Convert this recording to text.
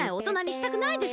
したくない！